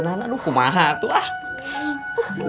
nggak ada yang berbicara sama nana